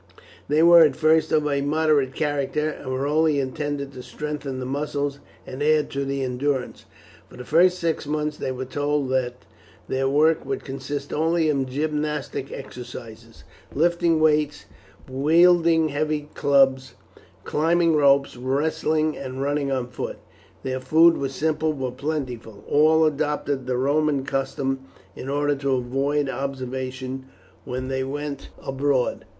They were at first of a moderate character, and were only intended to strengthen the muscles and add to the endurance. For the first six months they were told that their work would consist only of gymnastic exercises lifting weights, wielding heavy clubs, climbing ropes, wrestling, and running on foot. Their food was simple but plentiful. All adopted the Roman costume, in order to avoid observation when they went abroad.